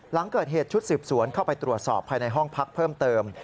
หลังเกิดเหตุชุดสืบสวนเข้าไปตรวจสอบภายในห้องพักเพิ่มเติม